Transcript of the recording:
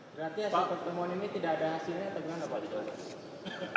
berarti hasil pertemuan ini tidak ada hasilnya